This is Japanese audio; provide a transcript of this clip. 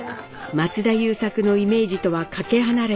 松田優作のイメージとはかけ離れた役。